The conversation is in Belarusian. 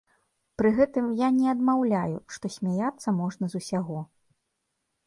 Пры гэтым я не адмаўляю, што смяяцца можна з усяго.